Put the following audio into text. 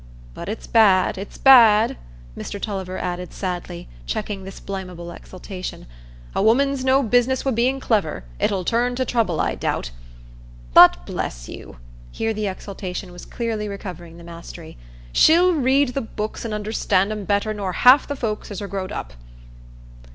But it's bad—it's bad," Mr Tulliver added sadly, checking this blamable exultation. "A woman's no business wi' being so clever; it'll turn to trouble, I doubt. But bless you!"—here the exultation was clearly recovering the mastery,—"she'll read the books and understand 'em better nor half the folks as are growed up."